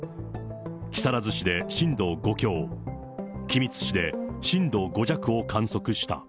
木更津市で震度５強、君津市で震度５弱を観測した。